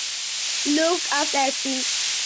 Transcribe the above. Look after things.